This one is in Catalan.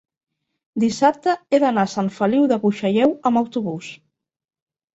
dissabte he d'anar a Sant Feliu de Buixalleu amb autobús.